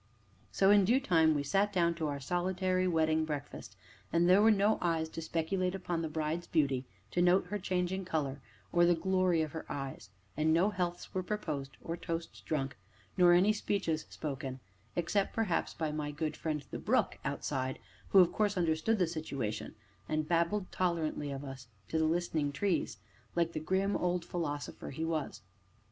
So, in due time, we sat down to our solitary wedding breakfast; and there were no eyes to speculate upon the bride's beauty, to note her changing color, or the glory of her eyes; and no healths were proposed or toasts drunk, nor any speeches spoken except, perhaps by my good friend the brook outside, who, of course, understood the situation, and babbled tolerantly of us to the listening trees, like the grim old philosopher he was.